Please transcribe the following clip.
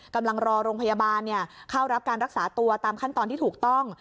กำลังรอโรงพยาบาลเข้ารับการรักษาตัวตามขั้นตอนที่ถูกต้อง